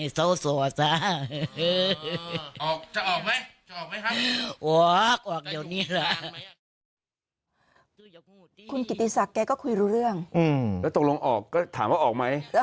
อืมแล้วตรงรงค์ออกก็ถามว่าออกไหม